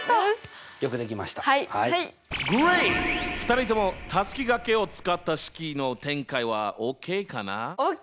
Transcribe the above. ２人ともたすきがけを使った式の展開はＯＫかな？ＯＫ！